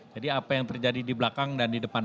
jadi apa yang terjadi di belakang dan di depan